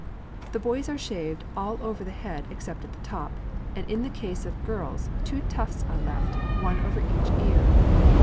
The boys are shaved all over the head except at the top, and in the case of girls two tufts are left, one over each ear.